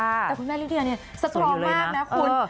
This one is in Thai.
แต่คุณแม่ลิเดียเนี่ยสตรองมากนะคุณ